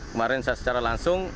kemarin secara langsung